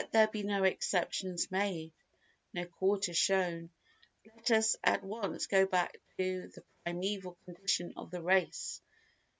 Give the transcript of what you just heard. Let there be no exceptions made, no quarter shown; let us at once go back to the primeval condition of the race.